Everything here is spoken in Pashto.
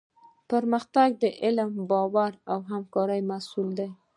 پرمختګ د علم، باور او همکارۍ محصول دی.